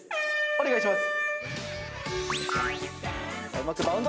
お願いします！